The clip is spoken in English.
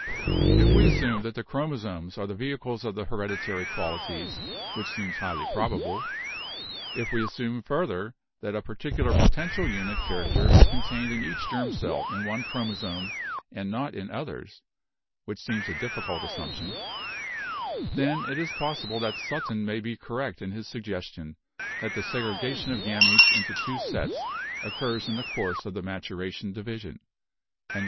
If we assume that the chromo somes are the vehicles of the hereditary qualities, which seems highly probable; if we assume, further, that a par ticular potential unit character is contained in each germ cell in one chromosome and not in others, which seems a difficult assumption; then it is possible that Sutton may be correct in his suggestion that the segregation of HEREDITY 257 gametes into two sets occurs in the course of the matura tion division."